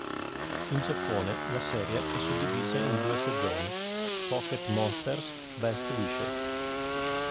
In Giappone la serie è suddivisa in due stagioni: "Pocket Monsters Best Wishes!